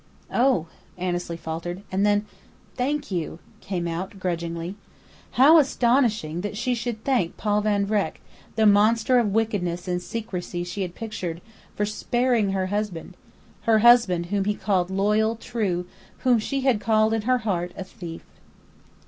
"Oh!" Annesley faltered. And then: "Thank you!" came out, grudgingly. How astonishing that she should thank Paul Van Vreck, the monster of wickedness and secrecy she had pictured, for "sparing" her husband her husband whom he called loyal, true, and honest; whom she had called in her heart a thief!